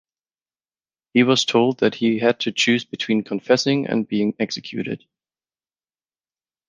He was told that he had to choose between confessing and being executed.